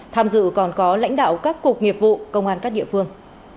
tham dự còn có lãnh đạo các cục nghiệp vụ công an các địa phương